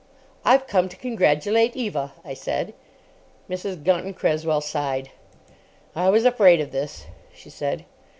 "I've come to congratulate Eva," I said. Mrs. Gunton Cresswell sighed. "I was afraid of this," she said.